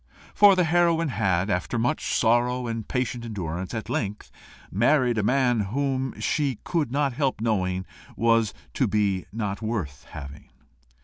For the heroine had, after much sorrow and patient endurance, at length married a man whom she could not help knowing to be not worth having.